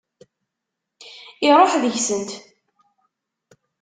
Iṛuḥ deg-sent.